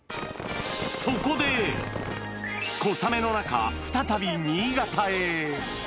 そこで、小雨の中、再び新潟へ。